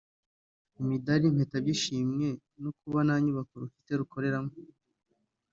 imidari n’impeta by’ishimwe ni ukuba nta nyubako rufite rukoreramo